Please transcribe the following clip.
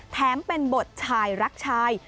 แถมเป็นบทชายรักชาย